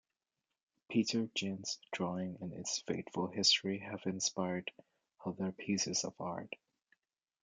Petr Ginz's drawing and its fateful history have inspired other pieces of art.